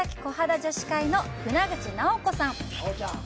女子会の舩口直子さん。